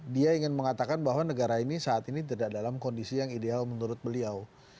dia ingin mengatakan bahwa negara ini saat ini tidak dalam kondisi yang ideal menurut beliau